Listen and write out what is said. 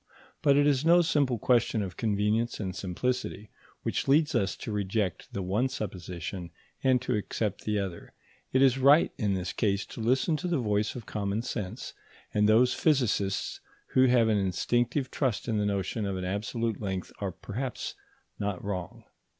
But it is no simple question of convenience and simplicity which leads us to reject the one supposition and to accept the other; it is right in this case to listen to the voice of common sense, and those physicists who have an instinctive trust in the notion of an absolute length are perhaps not wrong.